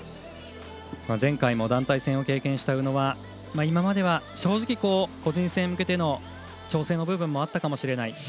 前回も団体戦を経験した宇野は今までは正直、個人戦に向けての調整の部分もあったかもしれない。